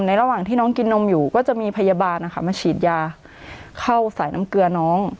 ระหว่างที่น้องกินนมอยู่ก็จะมีพยาบาลนะคะมาฉีดยาเข้าสายน้ำเกลือน้อง